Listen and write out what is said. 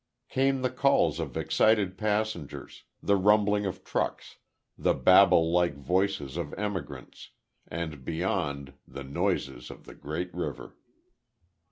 Came the calls of excited passengers, the rumbling of trucks, the Babel like voices of emigrants; and, beyond, the noises of the Great River.